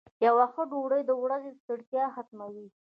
یو ښه ډوډۍ د ورځې ستړیا ختموي.